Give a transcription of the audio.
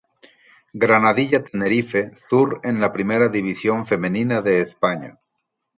Granadilla Tenerife Sur en la Primera División Femenina de España.